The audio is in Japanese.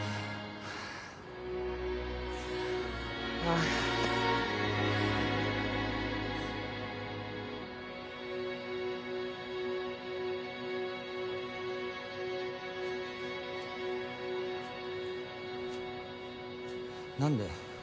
あぁ。何で？